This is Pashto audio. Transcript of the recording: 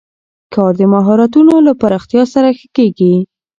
کار د مهارتونو له پراختیا سره ښه کېږي